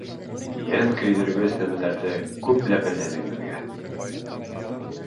Йән көйҙөргөс нәмәләрҙе күп ләпелдәнең беҙгә.